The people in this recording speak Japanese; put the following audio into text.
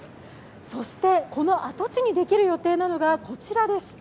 そしてこの跡地にできる予定なのが、こちらです。